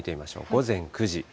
午前９時。